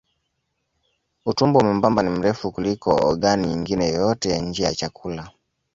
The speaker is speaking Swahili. Utumbo mwembamba ni mrefu kuliko ogani nyingine yoyote ya njia ya chakula.